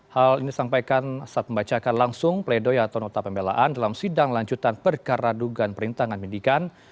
hal ini disampaikan saat membacakan langsung pleidoya atau nota pembelaan dalam sidang lanjutan perkaradugan perintahkan pendidikan